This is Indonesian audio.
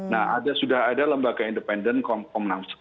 nah sudah ada lembaga independen komnasam yang mengusut kasus ini